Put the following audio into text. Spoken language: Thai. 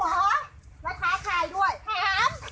แล้วท้าใครด้วยถาม